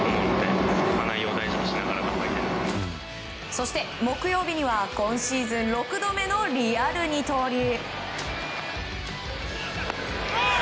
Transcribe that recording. そして木曜日には今シーズン６度目のリアル二刀流。